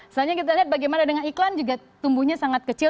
selanjutnya kita lihat bagaimana dengan iklan juga tumbuhnya sangat kecil